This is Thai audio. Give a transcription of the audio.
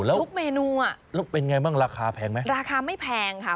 ทุกเมนูแล้วเป็นอย่างไรบ้างราคาแพงไหมราคาไม่แพงค่ะ